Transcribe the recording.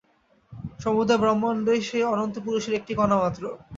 সমুদয় ব্রহ্মাণ্ডই সেই অনন্ত পুরুষের একটি কণামাত্র।